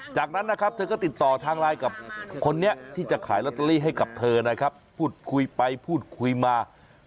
จากนั้นนะครับเธอก็ติดต่อทางไลน์กับคนนี้ที่จะขายลอตเตอรี่ให้กับเธอนะครับพูดคุยไปพูดคุยมา